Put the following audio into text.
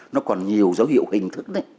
nó còn nhiều dấu hiệu hình thức